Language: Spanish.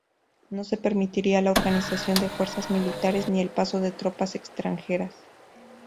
No se permitiría la organización de fuerzas militares ni el paso de tropas extranjeras.